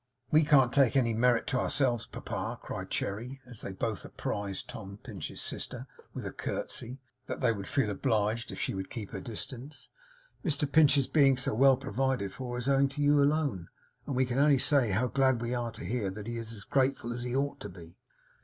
'We can't take any merit to ourselves, papa!' cried Cherry, as they both apprised Tom Pinch's sister, with a curtsey, that they would feel obliged if she would keep her distance. 'Mr Pinch's being so well provided for is owing to you alone, and we can only say how glad we are to hear that he is as grateful as he ought to be.